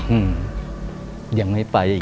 อืมยังไม่ไปอีก